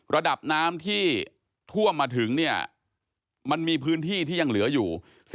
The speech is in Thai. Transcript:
ระดับน้ำที่ท่วมมาถึงเนี่ยมันมีพื้นที่ที่ยังเหลืออยู่